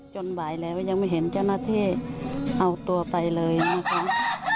บ่ายแล้วยังไม่เห็นเจ้าหน้าที่เอาตัวไปเลยนะคะ